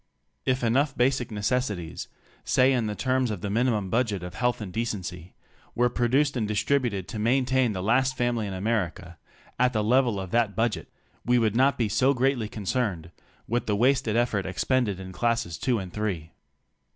If enough basic necessities — say in the terms of the minimum budget of health and decency— were produced and distri buted to maintain the last family in America at the level of that budget, we would not be so greatly concerned with the wasted effort expended in classes two and three.